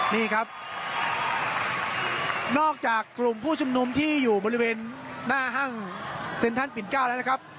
นี่ครับนอกจากกลุ่มผู้ชุมนุมที่อยู่บริเวณหน้าห้างเซ็นทรัลปินเก้าแล้วนะครับ